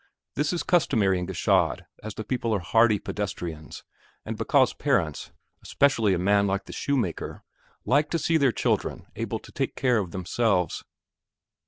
This is customary in Gschaid as the people are hardy pedestrians, and because parents especially a man like the shoemaker like to see their children able to take care of themselves.